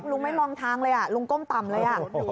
ลุงไม่มองทางเลยลุงก้มต่ำเลย